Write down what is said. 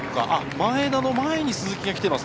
前田の前に鈴木が来ています。